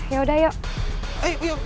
ya udah yuk